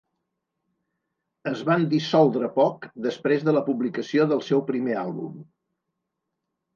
Es van dissoldre poc després de la publicació del seu primer àlbum.